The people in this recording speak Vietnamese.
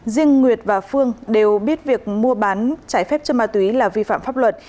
riêng nguyệt và phương đều biết việc mua bán trái phép chân ma túy là vi phạm pháp luật